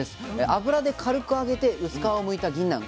油で軽く揚げて薄皮をむいたぎんなん。